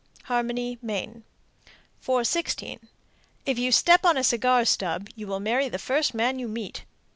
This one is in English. Harmony, Me. 416. If you step on a cigar stub, you will marry the first man you meet.